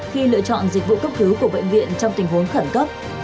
khi lựa chọn dịch vụ cấp cứu của bệnh viện trong tình huống khẩn cấp